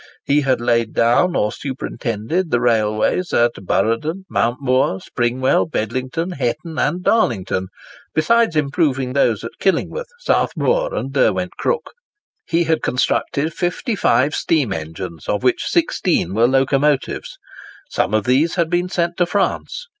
He had laid down or superintended the railways at Burradon, Mount Moor, Springwell, Bedlington, Hetton, and Darlington, besides improving those at Killingworth, South Moor, and Derwent Crook. He had constructed fifty five steam engines, of which sixteen were locomotives. Some of these had been sent to France.